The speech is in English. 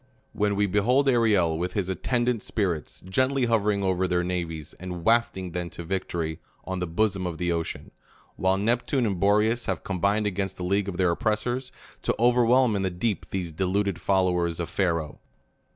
When we behold Ariel, with his attendant spirits, gently hovering over their navies, and wafting them to victory on the bosom of the ocean ; while Neptune and Boreas have com bined against the league of their oppressors, to over whelm in the deep these deluded followers of Pharaoh